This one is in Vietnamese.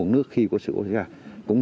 tư thế sẵn sàng